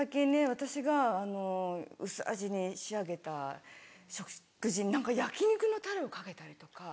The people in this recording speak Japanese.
私が薄味に仕上げた食事に何か焼き肉のタレをかけたりとか。